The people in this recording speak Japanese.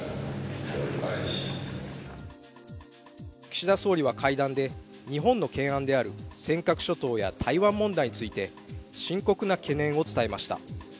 岸田総理は会談で日本の懸案である尖閣諸島や台湾問題について深刻な懸念を伝えました。